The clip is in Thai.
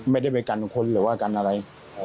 ไม่ได้ไปกันคนหรือว่ากันอะไร